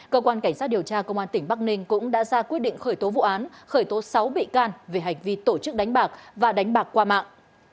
cơ quan cảnh sát điều tra công an tỉnh bắc ninh cũng đã ra quyết định khởi tố vụ án khởi tố sáu bị can về hành vi tổ chức đánh bạc và đánh bạc qua mạng